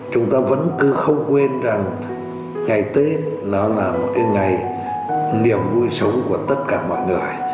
chúng ta vẫn cứ không quên rằng ngày tết nó là một cái ngày niềm vui sống của tất cả mọi người